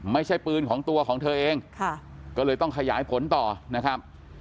ไม่ใช่ปืนของตัวของเธอเองค่ะก็เลยต้องขยายผลต่อนะครับ